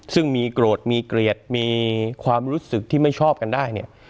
ซึ่งมีโกรธมีเกลียดมีความรู้สึกที่ไม่ชอบกันได้เนี่ย